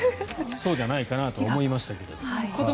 そうじゃないかなとは思いましたけれども。